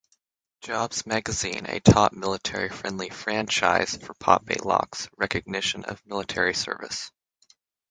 Jobs Magazine a top military friendly franchise for Pop-A-Lock's recognition of military service.